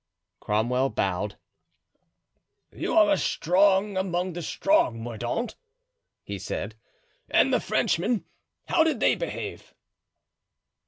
Cromwell bowed. "You are strong among the strong, Mordaunt," he said; "and the Frenchmen, how did they behave?"